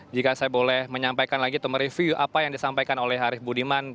jika saya boleh menyampaikan lagi teman teman review apa yang disampaikan oleh arief budiman